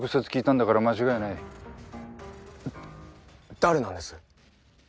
誰なんです？